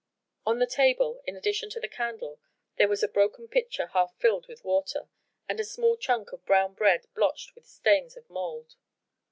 On the table, in addition to the candle, there was a broken pitcher half filled with water, and a small chunk of brown bread blotched with stains of mould.